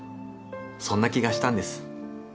そんな気がしたんです